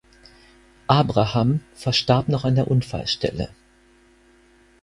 Abraham verstarb noch an der Unfallstelle.